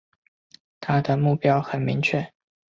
他的目标很明确